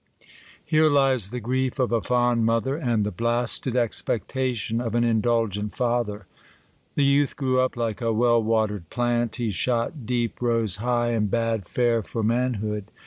HERE lies the grief of a fond mother, and the blast ed expectation of an indulgent father. The^ youth grew up, like a well watered plant; he shot deep, rose high, and bade fair for manhood.